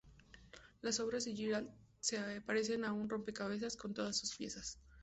Las obras de Girard se parecen a un "rompecabezas" con todas sus piezas.